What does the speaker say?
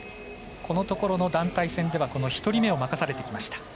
このところの団体戦ではこの１人目をまかされてきました。